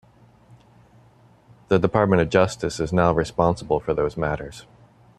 The Department of Justice is now responsible for those matters.